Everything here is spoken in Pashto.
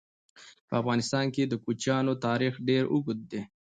په افغانستان کې د کوچیانو تاریخ ډېر اوږد دی.